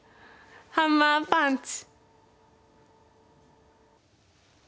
ハンマーパンチ！